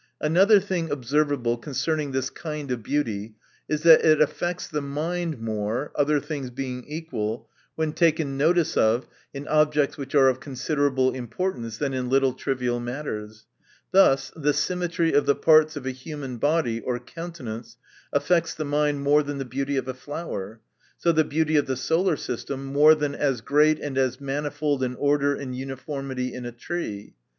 Another thing observable concerning this kind of beauty, is, that it affects the mind more (other things being equal) when taken notice of in objects which are of considerable importance, than in little trivial matters. Thus the rymmetry of the parts of a human body, or countenance, affects the mind more than the beauty of a flower. So, the beauty of the solar system, more than as great and as manifold an order and uniformity in a tree.